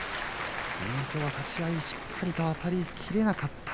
立ち合いしっかりとあたりきれなかった。